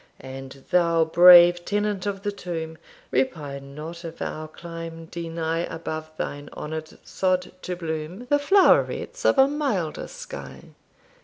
And thou, brave tenant of the tomb! Repine not if our clime deny, Above thine honour'd sod to bloom The flowerets of a milder sky.